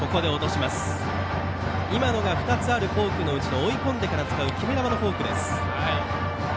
今のが２つあるフォークのうちの追い込んでから使う決め球のフォークです。